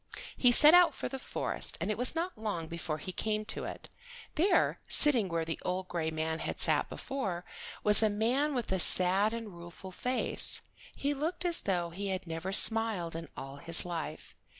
He set out for the forest, and it was not long before he came to it. There, sitting where the old gray man had sat before, was a man with a sad and rueful face. He looked as though he had never smiled in all his life.